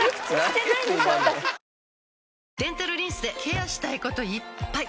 デンタルリンスでケアしたいこといっぱい！